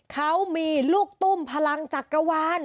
เขามีลูกตุ้มพลังจักรวาล